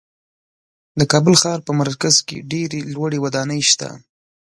د کابل ښار په مرکز کې ډېرې لوړې ودانۍ شته.